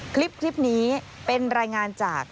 คลิปนี้เป็นรายงานจาก